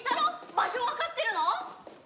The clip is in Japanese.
場所わかってるの？